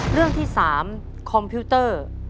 เรื่องที่๓คอมพิวเตอร์